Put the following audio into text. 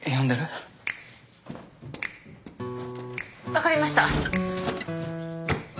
分かりました。